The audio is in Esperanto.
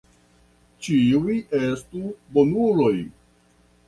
Ĉiuj estu bonuloj.